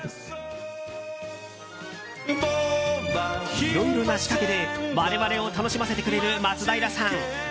いろいろな仕掛けで我々を楽しませてくれる松平さん。